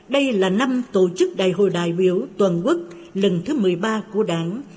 đây là năm tổ chức đại hội đại biểu toàn quốc lần thứ một mươi ba của đảng